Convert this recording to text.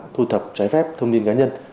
thu thập trái phép thông tin cá nhân